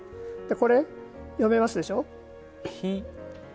これ、読めますでしょ。